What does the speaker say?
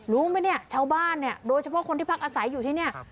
รู้ไหมเนี่ยชาวบ้านเนี่ยโดยเฉพาะคนที่พักอาศัยอยู่ที่เนี่ย